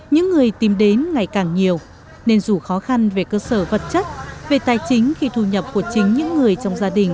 những người tìm đến ngày càng nhiều nên dù khó khăn về cơ sở vật chất về tài chính khi thu nhập của chính những người trong gia đình